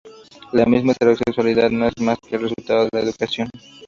La misma heterosexualidad no es más que el resultado de la educación.